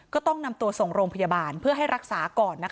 ก็ต้องนำตัวส่งโรงพยาบาลเพื่อให้รักษาก่อน